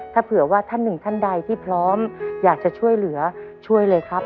ถ้าเผื่อว่าท่านหนึ่งท่านใดที่พร้อมอยากจะช่วยเหลือช่วยเลยครับ